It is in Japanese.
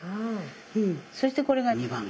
そしてこれが二番粉。